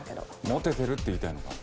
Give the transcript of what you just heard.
モテてるって言いたいのか？